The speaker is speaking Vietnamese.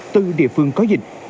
từ địa phương có dịch